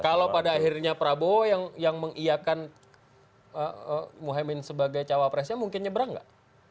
kalau pada akhirnya prabowo yang mengiakan mohaimin sebagai cawapresnya mungkin nyebrang gak